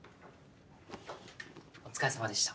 お疲れさまでした。